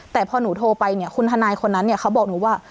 แต่พอหนูโทรไปเนี่ยคุณทนายคนนั้นเนี่ยเขาบอกหนูว่า